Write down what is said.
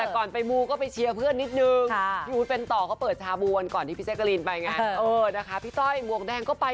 กลับกับวันนี้เลยค่ะอะต้อยมวกแดงค่ะ